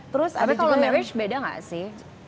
tapi kalau marriage beda gak sih